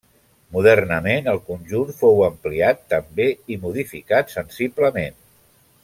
Modernament, el conjunt fou ampliat també i modificat sensiblement.